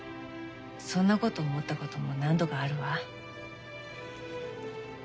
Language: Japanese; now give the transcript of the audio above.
そんなこと思ったことも何度かあるわ。